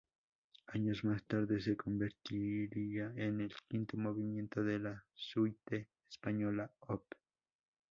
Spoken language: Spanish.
Años más tarde se convertiría en el quinto movimiento de la "Suite española Op.